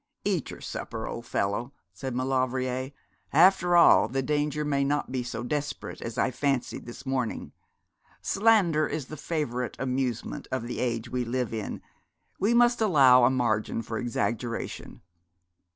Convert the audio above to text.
'Eat your supper, old fellow,' said Maulevrier. 'After all, the danger may not be so desperate as I fancied this morning. Slander is the favourite amusement of the age we live in. We must allow a margin for exaggeration.'